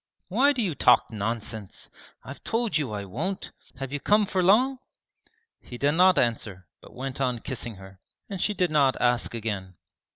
'Why do you talk nonsense? I've told you I won't! Have you come for long?' He did not answer but went on kissing her, and she did not ask again.